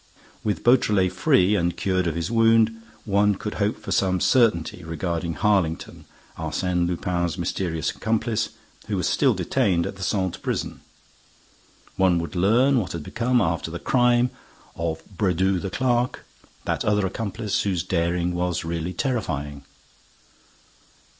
With Beautrelet free and cured of his wound, one could hope for some certainty regarding Harlington, Arsène Lupin's mysterious accomplice, who was still detained at the Santé prison. One would learn what had become, after the crime, of Brédoux the clerk, that other accomplice, whose daring was really terrifying.